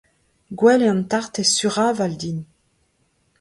Gwell eo an tartez suraval din.